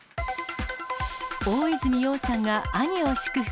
大泉洋さんが兄を祝福。